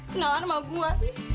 kenalan sama gua